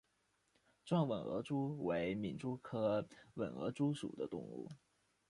壮吻额蛛为皿蛛科吻额蛛属的动物。